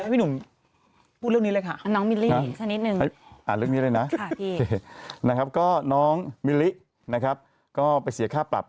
หนูพูดเรื่องนี้เลยครับ